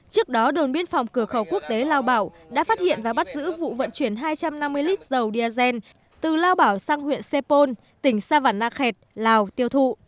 trước đó đồn biên phòng cửa khẩu quốc tế lao bảo đã phát hiện và bắt giữ vụ vận chuyển hai trăm năm mươi lít dầu diazen từ lao bảo sang huyện sê pôn tỉnh sa văn na khẹt lào tiêu thụ